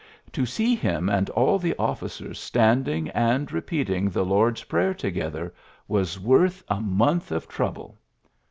^^To see him and all the officers standing and repeating the Lord's Prayer together was worth a month of trouble.''